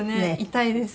痛いです。